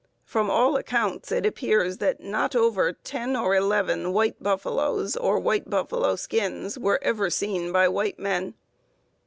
From all accounts it appears that not over ten or eleven white buffaloes, or white buffalo skins, were ever seen by white men.